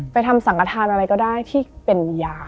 ทำสังกฐานอะไรก็ได้ที่เป็นยา